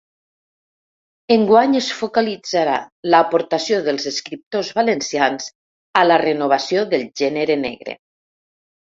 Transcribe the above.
Enguany es focalitzarà l’aportació dels escriptors valencians a la renovació del gènere negre.